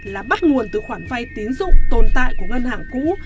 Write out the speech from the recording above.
là bắt nguồn từ khoản vay tín dụng tồn tại của ngân hàng cũ